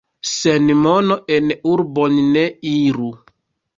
Sen mono en urbon ne iru.